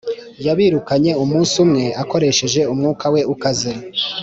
yabirukanye umunsi umwe, akoresheje umwuka we ukaze,